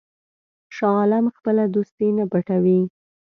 شاه عالم خپله دوستي نه پټوي.